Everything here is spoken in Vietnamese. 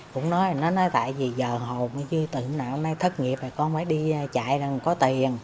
cũng nói là nó nói tại vì giờ hồ chứ tự nào nó thất nghiệp rồi con phải đi chạy là có tiền